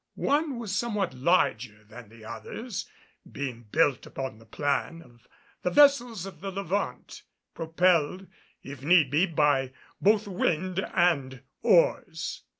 One was somewhat larger than the others, being built upon the plan of the vessels of the Levant, propelled, if need be, by both wind and oars.